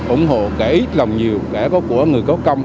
ủng hộ kể ít lòng nhiều kể có của người có công